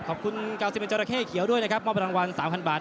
ขอบคุณกาวซิเมนเจอร์ระเคเกี่ยวนะครับมอบรางวัล๓๐๐๐บาท